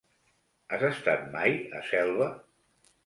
Has estat mai a Selva?